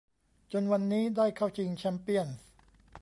จนวันนี้ได้เข้าชิงแชมเปี้ยนส์